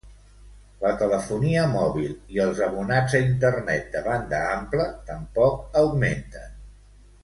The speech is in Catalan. La telefonia mòbil i els abonats a Internet de banda ampla tampoc augmenten.